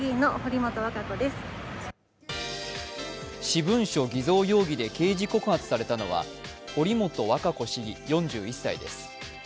私文書偽造容疑で、刑事告発されたのは堀本わかこ市議、４１歳です。